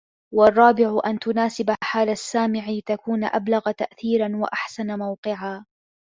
وَالرَّابِعُ أَنْ تُنَاسِبَ حَالَ السَّامِعِ لِتَكُونَ أَبْلَغَ تَأْثِيرًا وَأَحْسَنَ مَوْقِعًا